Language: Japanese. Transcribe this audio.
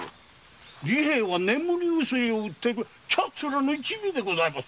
利平は眠り薬を売っているやつらの一味でございますぞ！